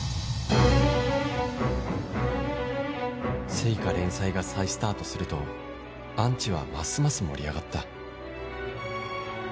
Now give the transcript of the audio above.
『ＳＥＩＫＡ』連載が再スタートするとアンチはますます盛り上がった